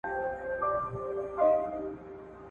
جومات بل قبله بدله مُلا بله ژبه وايي `